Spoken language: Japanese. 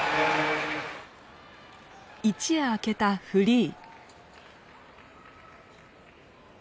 一夜明けたフリー。